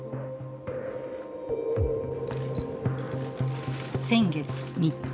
先月３日。